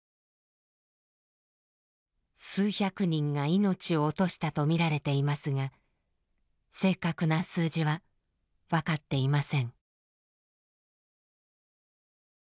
数百人が命を落としたとみられていますが正確な数字は分かっていません。